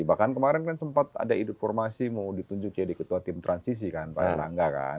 bahkan kemarin kan sempat ada informasi mau ditunjuk jadi ketua tim transisi kan pak erlangga kan